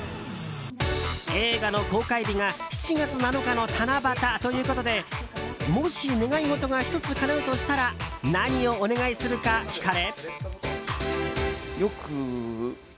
映画の公開日が７月７日の七夕ということでもし願い事が１つかなうとしたら何をお願いするか聞かれ。